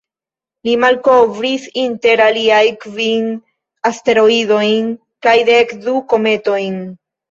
Li malkovris inter aliaj kvin asteroidojn kaj dek du kometojn.